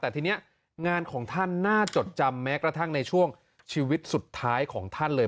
แต่ทีนี้งานของท่านน่าจดจำแม้กระทั่งในช่วงชีวิตสุดท้ายของท่านเลย